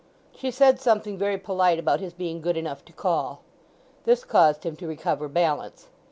She said something very polite about his being good enough to call. This caused him to recover balance.